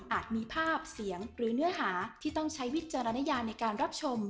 มีภาพเสียงหรือเนื้อหาที่ต้องใช้วิจารณญาในการรับชม